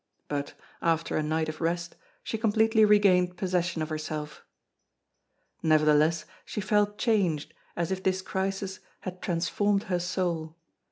But, after a night of rest, she completely regained possession of herself. Nevertheless, she felt changed, as if this crisis had transformed her soul.